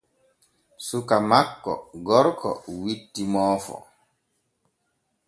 Suka makko gorko witti moofo.